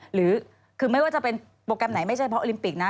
หรือคือไม่ว่าจะเป็นโปรแกรมไหนไม่ใช่เพราะโอลิมปิกนะ